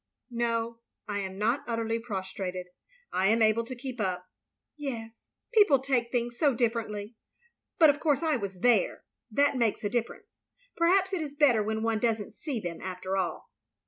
"No, I am not utterly prostrated. I am able to keep up." " Yes. People take things so differently. But of course I was there. That makes a difference. Perhaps it is better when one does n*t see them, after all."